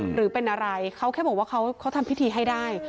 หรือเป็นอะไรเขาแค่บอกว่าเขาทำพิธีให้ได้